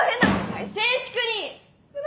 はい静粛に！